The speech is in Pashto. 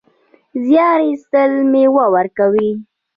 زیار ایستل مېوه ورکوي